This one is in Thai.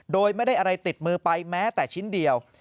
โดยไม่ได้อะไรติดมือไปแม้แต่ชิ้นเดียว